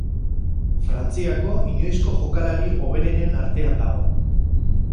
Frantziako inoizko jokalari hoberenen artean dago.